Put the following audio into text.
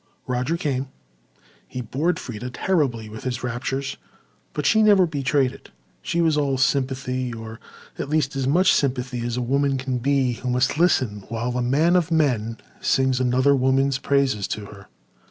Roger came. He bored Freda terribly with his raptures but she never betrayed it. She was all sympathy—or, at least, as much sympathy as a woman can be who must listen while the man of men sings another woman's praises to her.